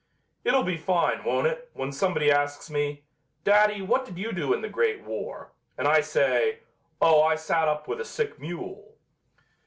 "It'll be fine, won't it, when somebody asks me: 'Daddy, what did you do in the great war?' and I say: 'Oh, I sat up with a sick mule.'"